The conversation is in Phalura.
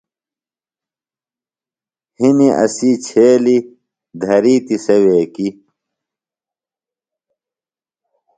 ہِنیۡ اسی چھیلیۡ، دھرِیتیۡ سےۡ ویکیۡ